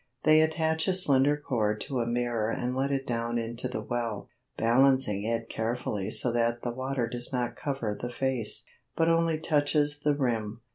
They attach a slender cord to a mirror and let it down into the well, balancing it carefully so that the water does not cover the face, but only touches the rim.